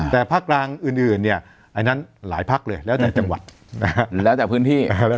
แต่ภาคกลางอื่นเนี่ยอันนั้นหลายพักเลยแล้วแต่จังหวัดแล้วแต่พื้นที่